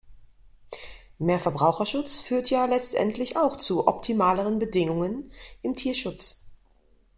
Mehr Verbraucherschutz führt ja letztendlich auch zu optimaleren Bedingungen im Tierschutz.